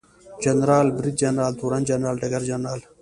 جنرال، بریدجنرال، تورن جنرال ، ډګرجنرال